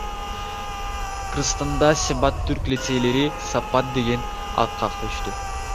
Кыргызстанда Себат түрк лицейлери Сапат деген атка көчтү.